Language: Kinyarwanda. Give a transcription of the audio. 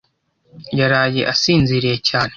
yaraye asinziriye cyane.